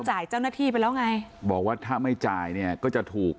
จ่ายเจ้าหน้าที่ไปแล้วไงบอกว่าถ้าไม่จ่ายเนี่ยก็จะถูก